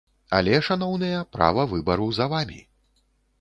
Але, шаноўныя, права выбару за вамі.